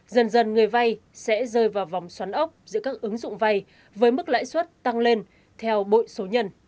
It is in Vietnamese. dần dần người vay sẽ rơi vào vòng xoắn ốc giữa các ứng dụng vay với mức lãi suất tăng lên theo bội số nhân